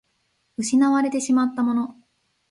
失われてしまったもの